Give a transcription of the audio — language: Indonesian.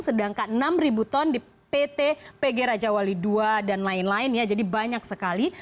sedangkan enam ribu ton di pt pg raja wali ii dan lain lain ya jadi banyak sekali